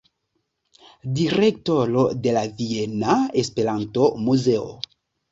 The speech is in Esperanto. Direktoro de la viena Esperanto-muzeo.